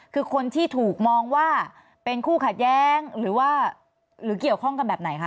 คือคนที่ถูกมองว่าเป็นคู่ขัดแย้งหรือว่าหรือเกี่ยวข้องกันแบบไหนคะ